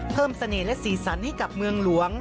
เสน่ห์และสีสันให้กับเมืองหลวง